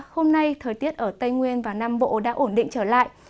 hôm nay thời tiết ở tây nguyên và nam bộ đã ổn định trở lại